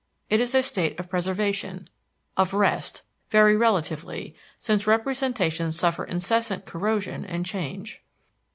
It is a state of preservation, of rest; very relatively, since representations suffer incessant corrosion and change.